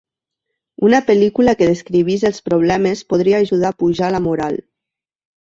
Una pel·lícula que descrivís els problemes podria ajudar a pujar la moral.